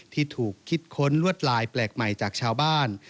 ที่ถูกคิดค้นลวดลายแปลกใหม่จากชาวบ้าน